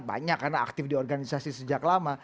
banyak karena aktif di organisasi sejak lama